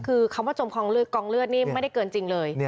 คือคำว่าจมกองเลือดนี่ไม่ได้เกินจริงเลย